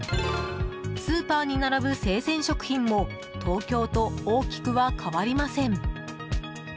スーパーに並ぶ生鮮食品も東京と大きくは変わりません。